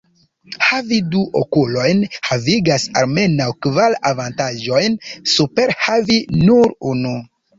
Havi du okulojn havigas almenaŭ kvar avantaĝojn super havi nur unu.